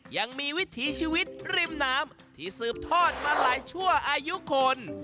วิถีชีวิตริมน้ำที่สืบทอดมาหลายชั่วอายุคน